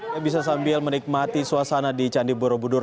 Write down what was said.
saya bisa sambil menikmati suasana di candi borobudur